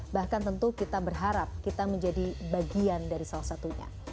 bahkan tentu kita berharap kita menjadi bagian dari salah satunya